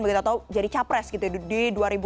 atau jadi capres di dua ribu dua puluh empat